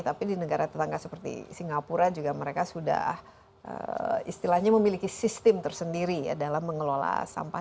tapi di negara tetangga seperti singapura juga mereka sudah istilahnya memiliki sistem tersendiri ya dalam mengelola sampah